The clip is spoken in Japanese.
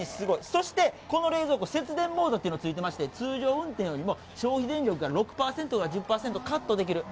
そしてこの冷蔵庫、節電モードっていうのついてまして、通常運転よりも消費電力が６％から１０％カットできる。